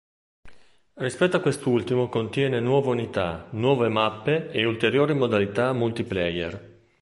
Rispetto a quest'ultimo contiene nuove unità, nuove mappe e ulteriori modalità multiplayer.